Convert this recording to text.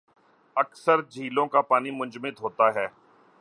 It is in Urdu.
اکثر جھیلوں کا پانی منجمد ہوتا ہے